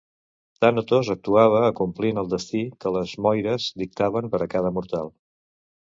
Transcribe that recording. Tànatos actuava acomplint el destí que les Moires dictaven per a cada mortal.